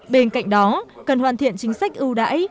bên cạnh đó cần hoàn thiện chính sách ưu đãi